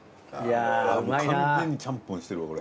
完全にちゃんぽんしてるわこれ。